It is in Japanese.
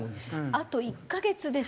あと１カ月です。